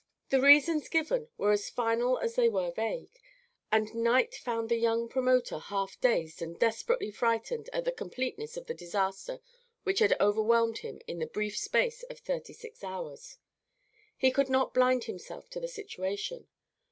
The reasons given were as final as they were vague, and night found the young promoter half dazed and desperately frightened at the completeness of the disaster which had overwhelmed him in the brief space of thirty six hours. He could not blind himself to the situation.